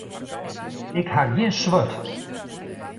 Ik ha gjin swurd.